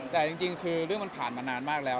แต่ทุกอย่างคือเรื่องมันผ่านมานานมาก